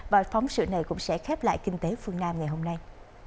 và phóng sự này cũng sẽ khép lại kinh tế phương nam ngày hôm nay